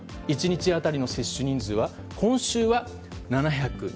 １日当たりの接種人数は今週は７２０人。